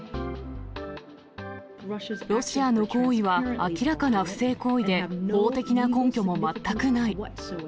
ロシアの行為は明らかな不正行為で、法的な根拠も全くない。